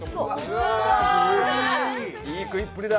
いい食いっぷりだ。